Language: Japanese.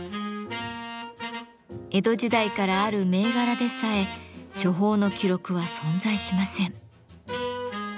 江戸時代からある銘柄でさえ処方の記録は存在しません。